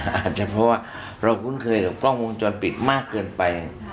อาจจะเพราะว่าเราคุ้นเคยกับกล้องวงจรปิดมากเกินไป